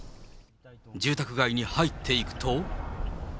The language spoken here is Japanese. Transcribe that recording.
住宅街に入っていくと。